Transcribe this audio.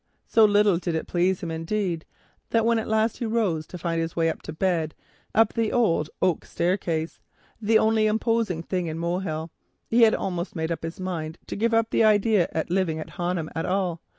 So little did it please him, indeed, that when at last he rose to find his way to bed up the old oak staircase, the only imposing thing in Molehill, he had almost made up his mind to give up the idea of living at Honham at all.